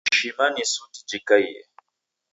Ishima ni suti jikaiye.